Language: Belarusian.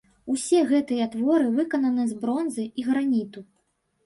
Усе гэтыя творы выкананы з бронзы і граніту.